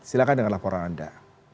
silahkan dengan laporan anda